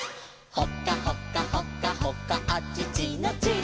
「ほかほかほかほかあちちのチー」